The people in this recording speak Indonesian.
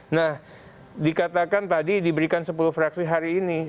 nah dikatakan tadi diberikan sepuluh fraksi hari ini